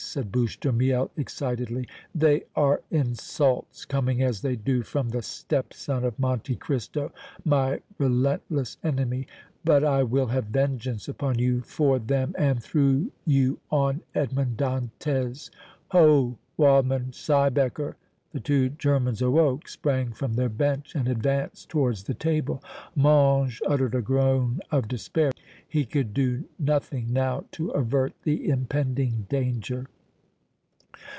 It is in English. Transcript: said Bouche de Miel, excitedly. "They are insults, coming as they do from the stepson of Monte Cristo, my relentless enemy! But I will have vengeance upon you for them and through you on Edmond Dantès! Ho, Waldmann Siebecker!" The two Germans awoke, sprang from their bench and advanced towards the table. Mange uttered a groan of despair. He could do nothing now to avert the impending danger.